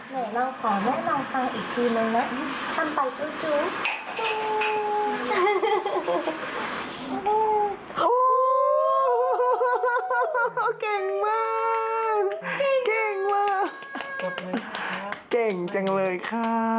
เราขอแม่ล้างฟังอีกทีหน่อยนะ